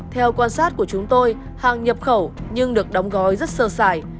theo quan sát của chúng tôi hàng nhập khẩu nhưng được đóng gói rất sơ sài